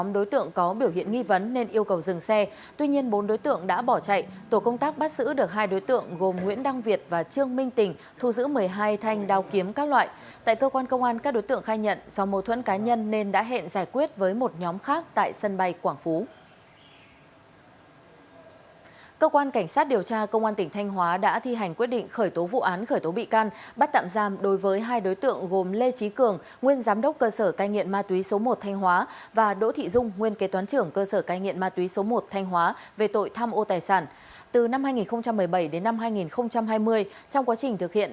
đối tượng phan văn lộc lê văn quân lê văn quân lê văn quân lê văn quân lê văn quân